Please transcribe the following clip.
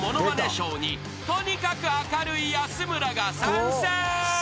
ＳＨＯＷにとにかく明るい安村が参戦］